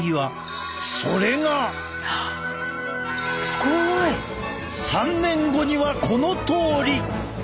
すごい！３年後にはこのとおり！